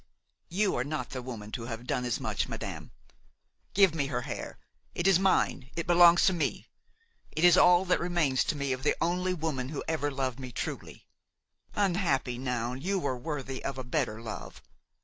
You are not the woman to have done as much, madame ! Give me her hair; it is mine–it belongs to me ; it is all that remains to me of the only woman who ever loved me truly. Unhappy Noun! you were worthy of a better love!